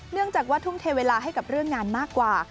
เนื่องจากว่าทุ่มเทเวลาให้กับเรื่องงานมากกว่า